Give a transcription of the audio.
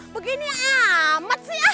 begini amat sih ah